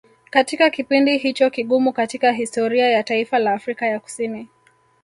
katika kipindi hicho kigumu katika historia ya taifa la Afrika ya kusini